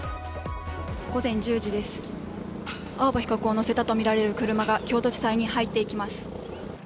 午前１０時です、青葉被告を乗せたとみられる車が京都地裁に入っていきます。